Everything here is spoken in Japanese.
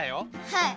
はい。